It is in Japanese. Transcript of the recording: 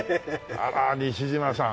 あら西島さん。